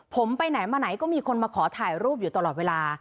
ผมไปไหนมาไหนก็มีคนมาขอถ่ายรูปอยู่ตลอดเวลา